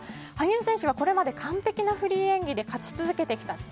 羽生選手はこれまで完璧なフリー演技で勝ち続けてきた